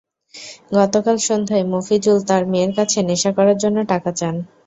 গতকাল সন্ধ্যায় মফিজুল তাঁর মেয়ের কাছে নেশা করার জন্য টাকা চান।